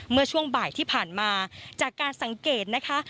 เมื่อช่วงบ่ายที่ผ่านมาจากการสังเกตนะคะ